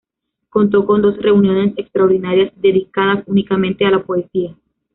Contó con dos reuniones extraordinarias dedicadas únicamente a la poesía.